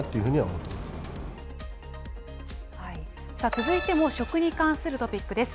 続いても食に関するトピックです。